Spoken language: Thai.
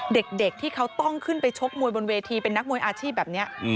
เด็กที่เขาต้องขึ้นไปชกมวยบนเวทีเป็นนักมวยอาชีพแบบนี้